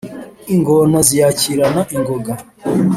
Ingona ziyakirana ingoga